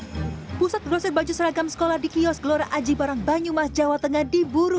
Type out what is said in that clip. hai pusat grosir baju seragam sekolah di kiosk gelora aji barang banyumas jawa tengah di buru